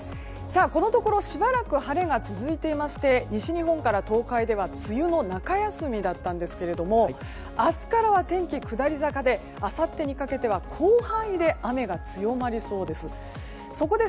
ここのところしばらく晴れが続いていまして西日本から東海では梅雨の中休みだったんですけども明日からは天気が下り坂であさってにかけては広範囲で雨が強まりそうです。